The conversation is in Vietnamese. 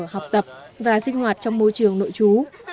học tập và sinh hoạt trong môi trường nội trú